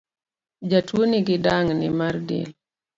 Jatuo nigi dang’ni mar del